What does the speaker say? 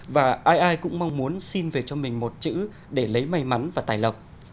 và ai ai cũng mong muốn xin về cho mình một chữ để lấy may mắn và tài lộc